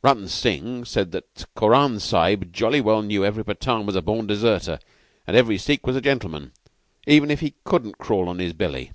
Rutton Singh said that Koran Sahib jolly well knew every Pathan was a born deserter, and every Sikh was a gentleman, even if he couldn't crawl on his belly.